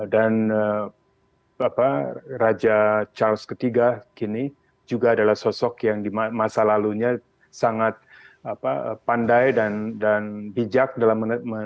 dan raja charles iii kini juga adalah sosok yang di masa lalunya sangat pandai dan bijak dalam